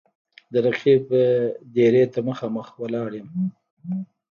د رقیب دېرې ته مـــخامخ ولاړ یـــم